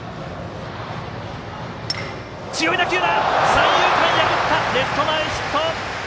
三遊間破ってレフト前ヒット！